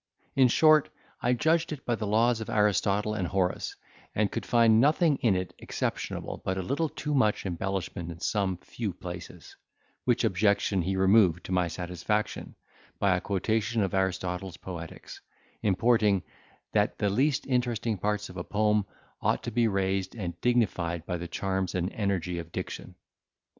In short, I judged it by the laws of Aristotle and Horace, and could find nothing in it exceptionable but a little too much embellishment in some few places, which objection he removed to my satisfaction, by a quotation of Aristotle's Poetics, importing, that the least interesting parts of a poem ought to be raised and dignified by the charms and energy of diction.